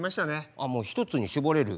あっもう一つに絞れる？